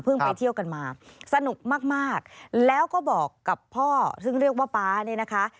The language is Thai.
ไปเที่ยวกันมาสนุกมากมากแล้วก็บอกกับพ่อซึ่งเรียกว่าป๊าเนี่ยนะคะ